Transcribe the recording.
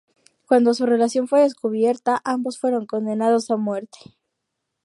Cuando su relación fue descubierta, ambos fueron condenados a muerte.